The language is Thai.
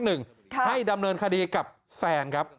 ให้ดำเนินคดีกับแซนครับ